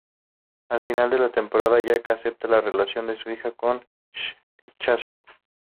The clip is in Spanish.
Al final de la temporada, Jack acepta la relación de su hija con Chase.